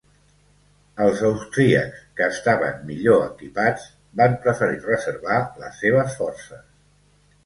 Els austríacs, que estaven millor equipats, van preferir reservar les seves forces.